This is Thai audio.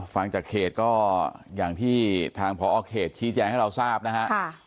ฟังจากเขตก็อย่างที่ทางพอเขตชี้แจงให้เราทราบนะฮะ